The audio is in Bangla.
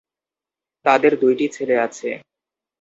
তাদের দুইটি ছেলে আছে।